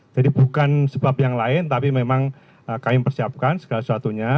jadi bukan sebab yang lain tapi memang kami mempersiapkan segala sesuatunya